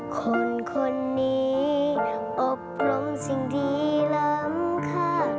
คนคนนี้อบรมสิ่งดีล้ำค่ะ